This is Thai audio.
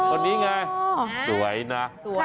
คนนี้ไงสวยนะ